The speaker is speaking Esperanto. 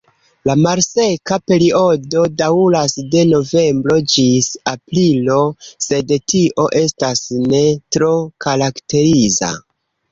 La malseka periodo daŭras de novembro ĝis aprilo, sed tio estas ne tro karakteriza.